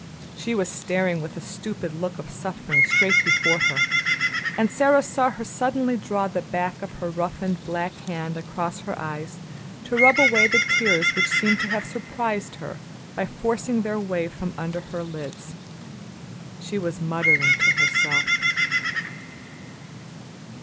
She was staring with a stupid look of suffering straight before her, and Sara saw her suddenly draw the back of her roughened, black hand across her eyes to rub away the tears which seemed to have surprised her by forcing their way from under her lids. She was muttering to herself.